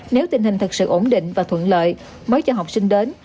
nếu tình hình thật sự ổn định và thuận lợi mới cho học sinh đến